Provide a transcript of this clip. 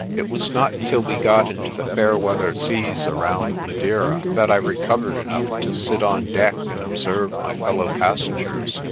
It was not till we got into the fair weather seas around Madeira that I recovered enough to sit on deck and observe my fellow passengers.